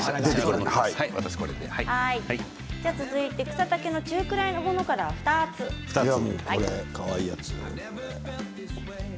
草丈が中くらいのものから２つか。